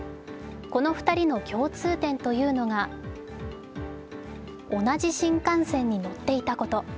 この２人の共通点というのが同じ新幹線に乗っていたこと。